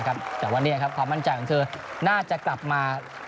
แต่ว่าความมั่นใจของเธอน่าจะกลับมา